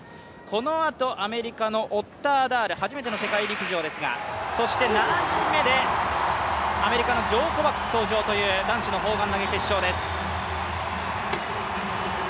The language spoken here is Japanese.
このあと、アメリカのオッターダール、初めての世界陸上ですが、そして７人目でアメリカのジョー・コックス登場という男子の砲丸投げ決勝です。